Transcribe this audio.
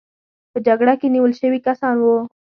په جګړه کې نیول شوي کسان وو.